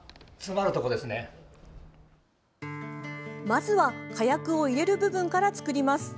まずは火薬を入れる部分から作ります。